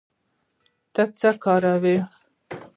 ته څه کار کوې؟